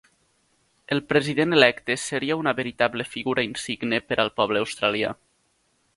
El president electe seria una veritable figura insigne per al poble australià.